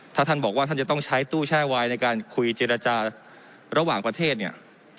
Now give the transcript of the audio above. ถ้าท่านบอกว่าท่านจะต้องใช้ตู้แช่วายในการคุยเจรจาระหว่างประเทศเนี่ย